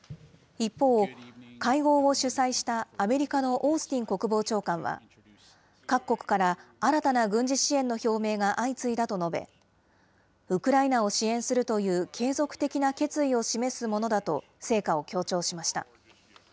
一方、会合を主催したアメリカのオースティン国防長官は、各国から新たな軍事支援の表明が相次いだと述べ、ウクライナを支援するという継続的な決意を示すものだと、成果を強調しました。